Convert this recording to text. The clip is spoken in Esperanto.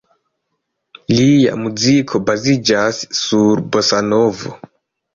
Lia muziko baziĝas sur bosanovo.